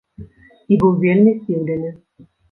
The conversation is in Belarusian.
І быў вельмі здзіўлены.